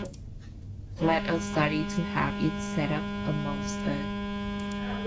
Let us study to have it set up amongst us.